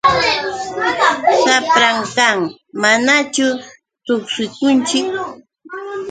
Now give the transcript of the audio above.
Shapran kan. ¿Manachu tuksishunki?